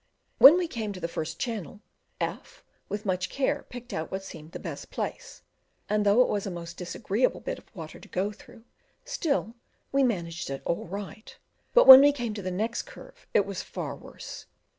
When we came to the first new channel, F with much care picked out what seemed the best place, and though it was a most disagreeable bit of water to go through, still we managed it all right; but when we came to the next curve, it was far worse.